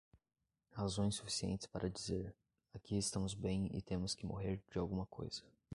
Razões suficientes para dizer: aqui estamos bem e temos que morrer de alguma coisa.